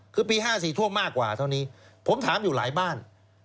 คือปี๕๔ท่วมมากกว่าเท่านี้ผมถามอยู่หลายบ้าน